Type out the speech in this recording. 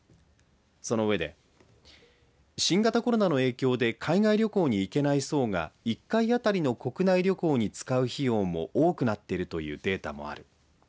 そのうえで新型コロナの影響で海外旅行に行けない層が１回当たりの国内旅行に使う費用も多くなっているというデータもある。